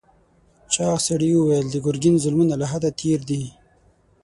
چاغ سړي وویل د ګرګین ظلمونه له حده تېر دي.